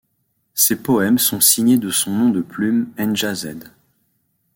Ses poèmes sont signés de son nom de plume Anja-Z.